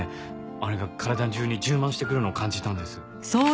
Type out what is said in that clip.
あれが体中に充満してくるのを感じたんです。